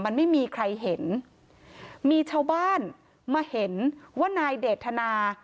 มันไม่มีใครเห็นมีชาวบ้านมาเห็นว่านายเดทนา